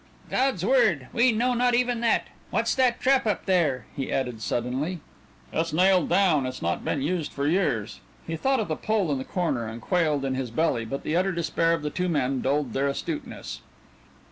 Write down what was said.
"God's word! We know not even that. What's that trap up there?" he added suddenly. "It's nailed down. It's not been used for years." He thought of the pole in the corner and quailed in his belly, but the utter despair of the two men dulled their astuteness.